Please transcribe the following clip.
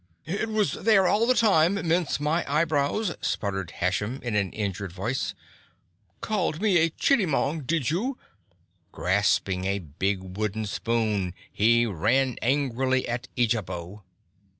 "It was there all the time, mince my eyebrows!" spluttered Hashem in an injured voice. "Called me a Chittimong, did you?" Grasping a big wooden spoon he ran angrily at Eejabo.